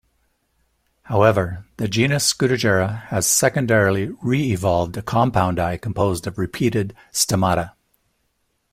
However, the genus "Scutigera" has secondarily re-evolved a compound eye composed of repeated stemmata.